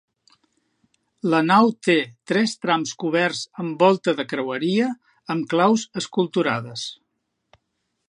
La nau té tres trams coberts amb volta de creueria amb claus esculturades.